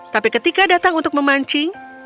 tapi ketika datang untuk memancing